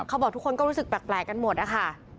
เขาบอกทุกคนก็รู้สึกแปลกกันหมดนะคะ